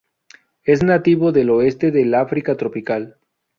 Es nativo del oeste del África tropical.